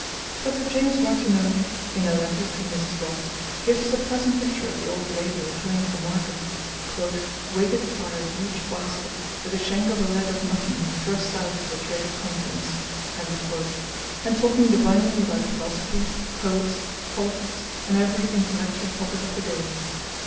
Dr. James Martineau, in a letter to Mrs. Ross, gives us a pleasant picture of the old lady returning from market 'weighted by her huge basket, with the shank of a leg of mutton thrust out to betray its contents,' and talking divinely about philosophy, poets, politics, and every intellectual topic of the day.